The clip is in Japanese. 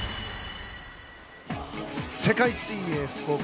世界水泳福岡